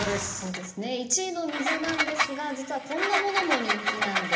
１位の水なんですが実はこんなものも人気なんです。